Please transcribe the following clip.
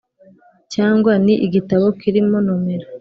cyangwa ni igitabo kirimo numero